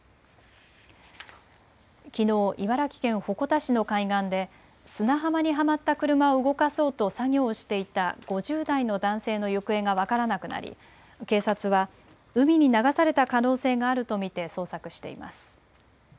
きのう茨城県鉾田市の海岸で砂浜にはまった車を動かそうと作業をしていた５０代の男性の行方が分からなくなり警察は海に流された可能性があると見て捜索しています。